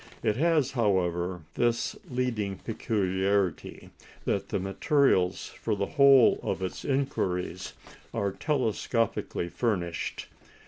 It has, however, this leading peculiarity, that the materials for the whole of its inquiries are telescopically furnished.